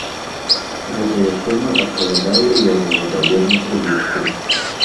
Гэтая сума адпавядае яго гадавому прыбытку.